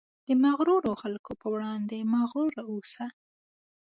د مغرورو خلکو په وړاندې مغرور اوسه.